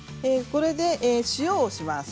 これで塩をします。